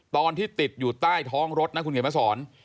ตอนที่ติดอยู่ใต้ท้องรถนะคุณเขียนมาสอน